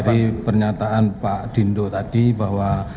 tadi pernyataan pak dindo tadi bahwa